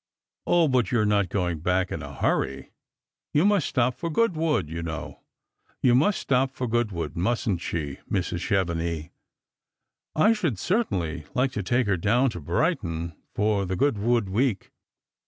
" O, but you're not going back in a hurry. You must stop for Goodwood, you know. She must stopfer Goodwood, mustn't she, Mrs. Chevenix ?"" I should certainly hke to take her down to Brighton for the Goodwood week."